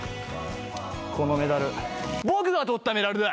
このメダル僕が取ったメダルだ！